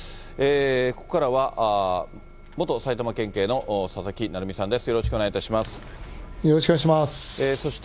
ここからは、元埼玉県警の佐々木成三さんです。